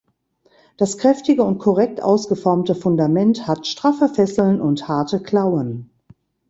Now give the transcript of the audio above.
Das kräftige und korrekt ausgeformte Fundament hat straffe Fesseln und harte Klauen.